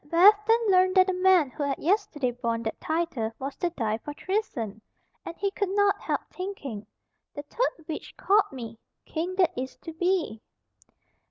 Macbeth then learned that the man who had yesterday borne that title was to die for treason, and he could not help thinking, "The third witch called me, 'King that is to be.'"